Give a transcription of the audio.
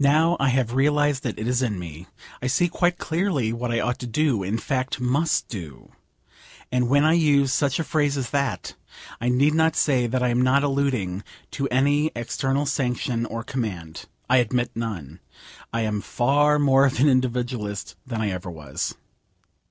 Now I have realised that it is in me, I see quite clearly what I ought to do; in fact, must do. And when I use such a phrase as that, I need not say that I am not alluding to any external sanction or command. I admit none. I am far more of an individualist than I ever was.